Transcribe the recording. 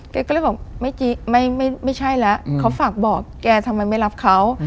แกก็เลยบอกไม่ใช่แล้วเขาฝากบอกแกทำไมไม่รับเขา